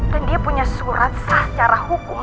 dan dia punya surat sah secara hukum